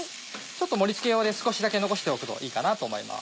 盛り付け用で少しだけ残しておくといいかなと思います。